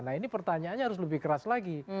nah ini pertanyaannya harus lebih keras lagi